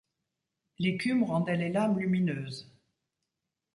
L’écume rendait les lames lumineuses.